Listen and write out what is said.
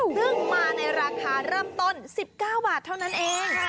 ซึ่งมาในราคาเริ่มต้น๑๙บาทเท่านั้นเอง